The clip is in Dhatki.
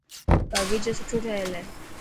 باغيچو سٺو ٺهيل هي.